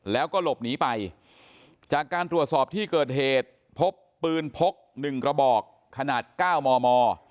แล้วก็หลบหนีไปจากการตรวจสอบที่เกิดเหตุพบปืนพก๑กระบอกขนาด๙มม